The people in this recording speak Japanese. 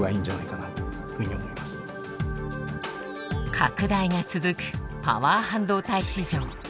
拡大が続くパワー半導体市場。